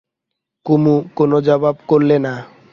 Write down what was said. কুমু কোনো জবাব করলে না।